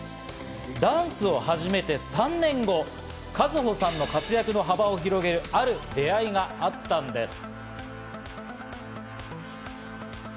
ダンスを始めて３年後、Ｋａｚｕｈｏさんの活躍の幅を広げるある出会いがあったんです。